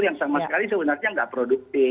yang sama sekali sebenarnya nggak produktif